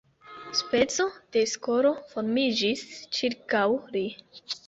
Speco de skolo formiĝis ĉirkaŭ li.